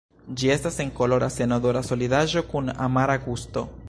Ĝi estas senkolora senodora solidaĵo kun amara gusto.